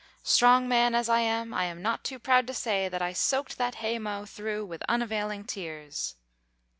Strong man as I am, I am not too proud to say that I soaked that haymow through with unavailing tears.